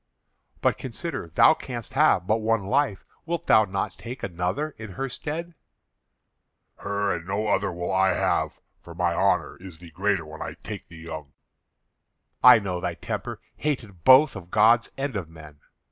"But consider; thou canst have but one life. Wilt thou not take another in her stead?" "Her and no other will I have, for my honour is the greater when I take the young." "I know thy temper, hated both of gods and of men.